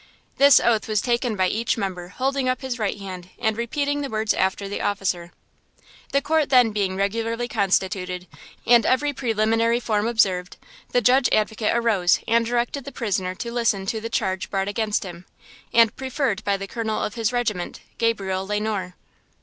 This oath was taken by each member holding up his right hand and repeating the words after the officer. The court then being regularly constituted, and every preliminary form observed, the Judge Advocate arose and directed the prisoner to listen to the charge brought against him, and preferred by the Colonel of his Regiment, Gabriel Le Noir.